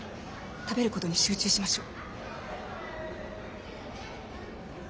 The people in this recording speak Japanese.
食べることに集中しましょう。